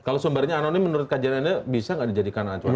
kalau sumbernya anonim menurut kajian anda bisa nggak dijadikan acuan